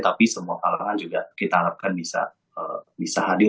tapi semua kalangan juga kita harapkan bisa hadir